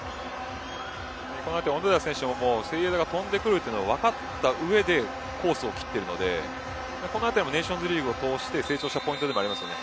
そうなると小野寺選手もセイエドが跳んでくると分かった上でコースを切っているのでこのあたりもネーションズリーグを通して成長したポイントでもありますね。